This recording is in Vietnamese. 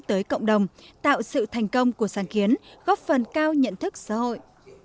tới cộng đồng tạo sự thành công của sáng kiến góp phần cao nhận thức xã hội